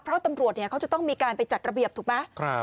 เพราะตำรวจเขาจะต้องมีการไปจัดระเบียบถูกไหม